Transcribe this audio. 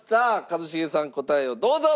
一茂さん答えをどうぞ！